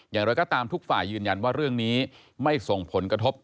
อย่างไรก็ตามทุกฝ่ายยืนยันว่าเรื่องนี้ไม่ส่งผลกระทบ